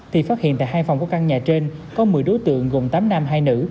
thì phát hiện tại hai phòng của căn nhà trên có một mươi đối tượng gồm tám nam hai nữ